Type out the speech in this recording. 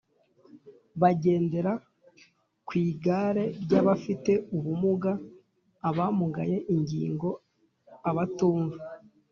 bagendera ku igare ry'abafite ubumuga, abamugaye ingingo, abatumva